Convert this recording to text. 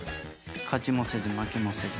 勝ちもせず負けもせず。